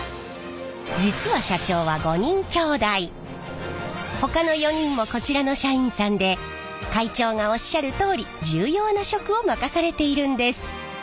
実は社長はほかの４人もこちらの社員さんで会長がおっしゃるとおり重要な職を任されているんです。